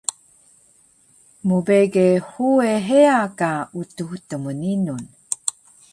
mbege huwe heya ka Utux Tmninun